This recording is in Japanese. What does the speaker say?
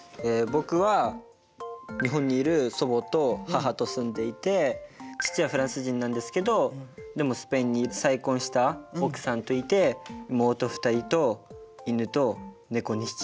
僕は日本にいる祖母と母と住んでいて父はフランス人なんですけどでもスペインに再婚した奥さんといて妹２人と犬と猫２匹。